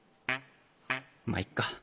まっいっか。